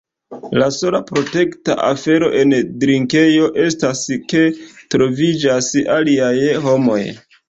La sola protekta afero en drinkejo estas ke troviĝas aliaj homoj.